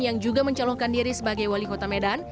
yang juga mencalonkan diri sebagai wali kota medan